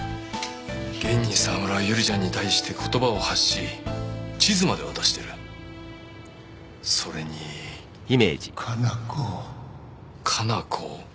現に沢村は百合ちゃんに対して言葉を発し地図まで渡してるそれに加奈子「加奈子」